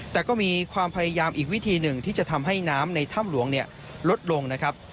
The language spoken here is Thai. แต่ก็มีความพยายามอีกวิธีหนึ่งที่จะทำให้น้ำในถ้ำหลวงลดลงนะครับ